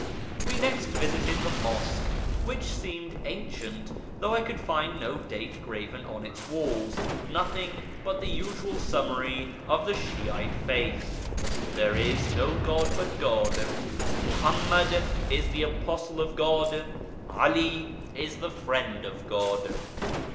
We next visited the mosque, which seemed ancient, though I could find no date graven on its walls — nothing but the usual summary of Shi'lte faith, " There is no God hut God : Muham mad is the Apostle of God : 'AH is the Friend of God."